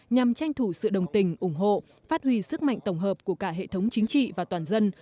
nhằm tranh thủ sự đồng tình ủng hộ phát huy sức mạnh tổng hợp của cả hệ thống chính trị và toàn dân